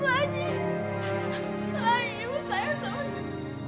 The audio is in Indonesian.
beri saya kesempatan untuk mencari penjelasan ibu